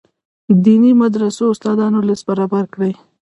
دیني مدرسو استادانو لست برابر کړي.